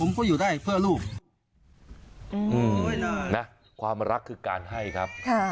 อยู่ได้เพื่อลูกนะความรักคือการให้ครับ